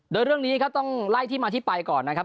โดยเรื่องนี้ครับต้องไล่ที่มาที่ไปก่อนนะครับ